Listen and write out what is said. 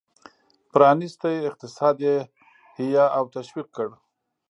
پرانیستی اقتصاد یې حیه او تشویق کړ.